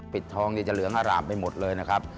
ทองจะเหลืองอร่ามไปหมดเลยนะครับ